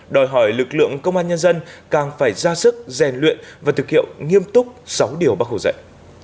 đòi hỏi lực lượng công an nhân dân càng phải ra sức rèn luyện và thực hiện nghiêm túc sáu điều bác hồ dạy